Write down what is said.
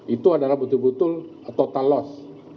itu adalah betul betul total loss